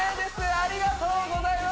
ありがとうございます！